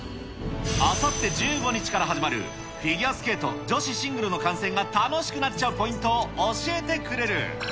あさって１５日から始まる、フィギュアスケート女子シングルの観戦が楽しくなっちゃうポイントを教えてくれる。